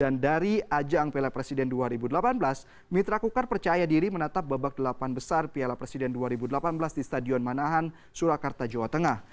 dari ajang piala presiden dua ribu delapan belas mitra kukar percaya diri menatap babak delapan besar piala presiden dua ribu delapan belas di stadion manahan surakarta jawa tengah